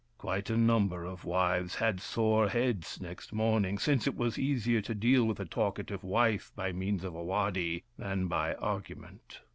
Quite a number of wives had sore heads next morning — since it was easier to deal with a talkative wife by means of a waddy than by argument.